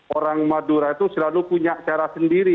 orang madura itu selalu punya cara sendiri